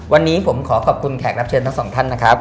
วันนี้ผมขอขอบคุณแขกรับเชิญทั้งสองท่านนะครับ